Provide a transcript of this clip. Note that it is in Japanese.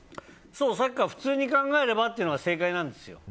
さっきから普通に考えればっていうのが正解なんですよ。